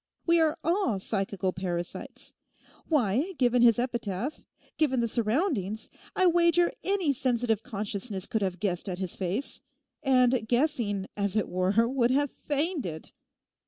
We are all psychical parasites. Why, given his epitaph, given the surroundings, I wager any sensitive consciousness could have guessed at his face; and guessing, as it were, would have feigned it.